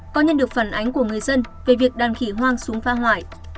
có nhận được phản ánh của người dân về việc đàn khỉ hoang xuống phá hoại